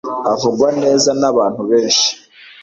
avugwa neza nabantu benshi